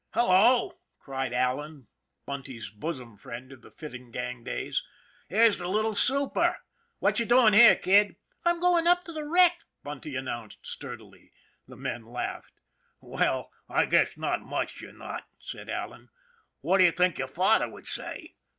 " Hello," cried Allan, Bunty's bosom friend of the fitting gang days, " here's the little Super ! What you doin' here, kid? "" I'm going up to the wreck," Bunty announced sturdily. The men laughed. " Well, I guess not much, you're not," said Allan, " What do you think your father would say